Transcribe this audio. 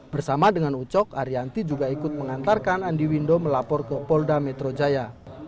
bersama dengan ucok arianti juga ikut mengantarkan andi windo melapor ke polda metro jaya